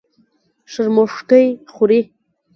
شرموښکۍ خوري.